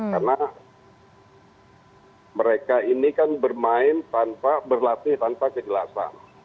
karena mereka ini kan bermain tanpa berlatih tanpa kejelasan